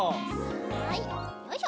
はいよいしょ。